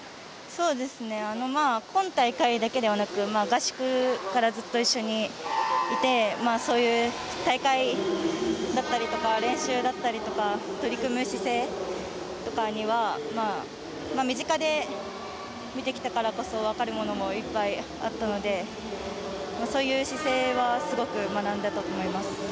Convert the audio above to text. そうですね今大会だけではなく合宿からずっと一緒にいてそういう大会だったりとか練習だったりとか取り組む姿勢とかには身近で見てきたからこそ分かるものもいっぱいあったのでそういう姿勢はすごく学んだと思います。